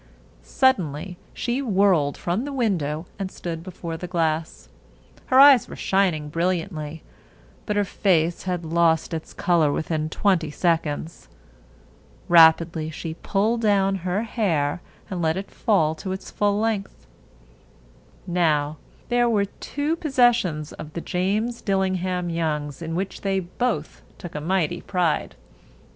Suddenly she whirled from the window and stood before the glass. Her eyes were shining brilliantly, but her face had lost its color within twenty seconds. Rapidly she pulled down her hair and let it fall to its full length. Now, there were two possessions of the James Dillingham Youngs in which they both took a mighty pride.